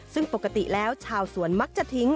ซึ่งปกติแล้วชาวสวนมักจะทิ้ง